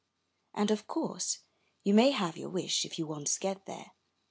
And of course you may have your wish if you once get there.